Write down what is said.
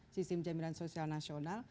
sistem jaminan sosial nasional